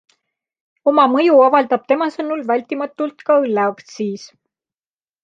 Oma mõju avaldab tema sõnul vältimatult ka õlleaktsiis.